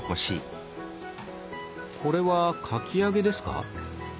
これはかき揚げですか？